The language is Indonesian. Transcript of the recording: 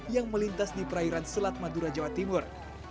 yang melintas di perairan selat madura jawa timur